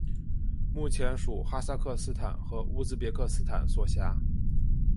目前属哈萨克斯坦和乌兹别克斯坦所辖。